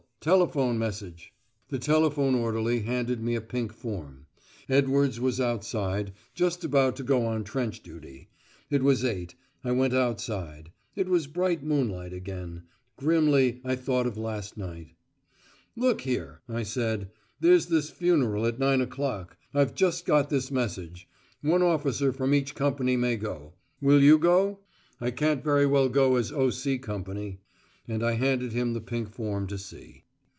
Telephone message." The telephone orderly handed me a pink form. Edwards was outside, just about to go on trench duty. It was eight. I went outside. It was bright moonlight again. Grimly, I thought of last night. "Look here," I said. "There's this funeral at nine o'clock. I've just got this message. One officer from each company may go. Will you go? I can't very well go as O.C. Company." And I handed him the pink form to see.